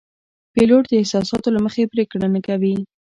پیلوټ د احساساتو له مخې پرېکړه نه کوي.